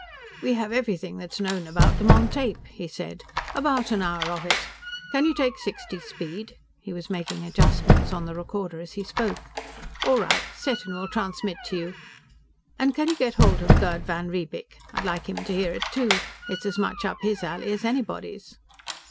"We have everything that's known about them on tape," he said. "About an hour of it. Can you take sixty speed?" He was making adjustments on the recorder as he spoke. "All right, set and we'll transmit to you. And can you get hold of Gerd van Riebeek? I'd like him to hear it too; it's as much up his alley as anybody's."